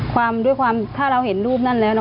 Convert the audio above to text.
ด้วยความถ้าเราเห็นรูปนั้นแล้ว